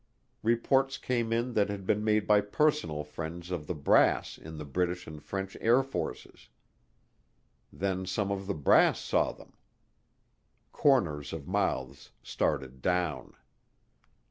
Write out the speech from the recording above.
Reports came in that had been made by personal friends of the brass in the British and French Air Forces. Then some of the brass saw them. Corners of mouths started down.